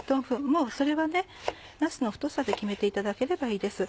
もうそれはなすの太さで決めていただければいいです。